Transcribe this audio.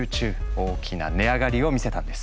大きな値上がりを見せたんです。